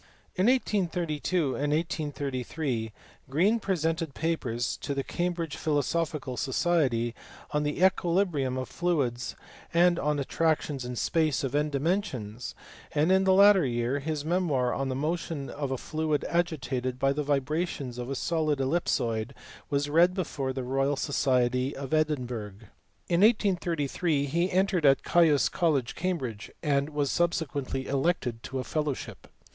In 1832 and 1833 Green presented papers to the Cam bridge Philosophical Society on the equilibrium of fluids and on attractions in space of n dimensions, and in the latter year his memoir on the motion of a fluid agitated by the vibrations of a solid ellipsoid was read before the Royal Society of Edin burgh. In 1833 he entered at Cains College, Cambridge, and was subsequently elected to a fellowship.